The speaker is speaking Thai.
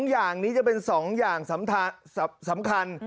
อย่างนี้จะเป็น๒อย่างสำคัญ